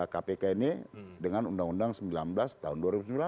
kpk ini dengan undang undang sembilan belas tahun dua ribu sembilan belas